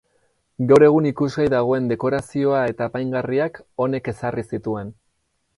Gaur egun ikusgai dagoen dekorazioa eta apaingarriak honek ezarri zituen.